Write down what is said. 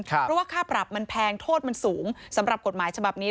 เพราะว่าค่าปรับมันแพงโทษมันสูงสำหรับกฎหมายฉบับนี้